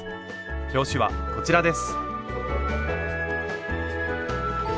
表紙はこちらです。